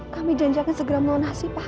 kami janjikan segera menolong nasib pak